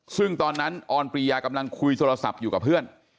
ซึ่งตอนนั้นออนปรียากำลังคุยโทรศัพท์อยู่กับเพื่อน